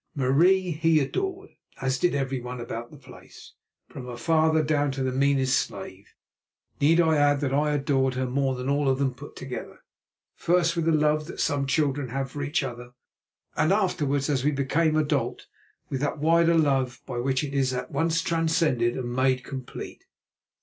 Marie he adored, as did every one about the place, from her father down to the meanest slave. Need I add that I adored her more than all of them put together, first with the love that some children have for each other, and afterwards, as we became adult, with that wider love by which it is at once transcended and made complete.